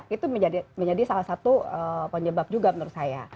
itu menjadi salah satu penyebab juga menurut saya